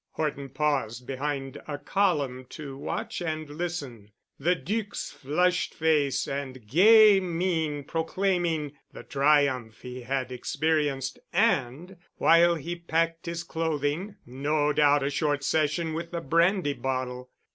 Horton paused behind a column to watch and listen, the Duc's flushed face and gay mien proclaiming the triumph he had experienced and, while he had packed his clothing, no doubt a short session with the brandy bottle.